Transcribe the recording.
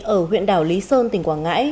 ở huyện đảo lý sơn tỉnh quảng ngãi